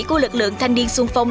của lực lượng thanh niên xuân phong